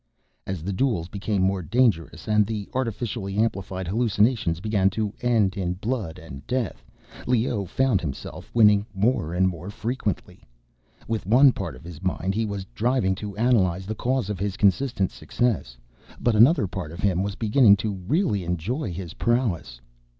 As the duels became more dangerous, and the artificially amplified hallucinations began to end in blood and death, Leoh found himself winning more and more frequently. With one part of his mind he was driving to analyze the cause of his consistent success. But another part of him was beginning to really enjoy his prowess.